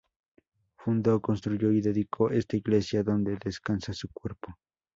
Fundó, construyó y dedicó esta iglesia donde descansa su cuerpo.